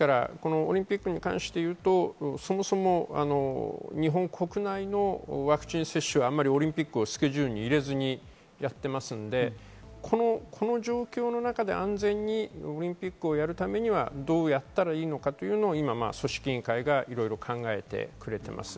オリンピックに関していうと日本国内のワクチン接種はオリンピックにスケジュールを入れずにやっていますので、この状況の中で安全にオリンピックをやるためにはどうやったらいいのかというのを組織委員会がいろいろ考えてくれています。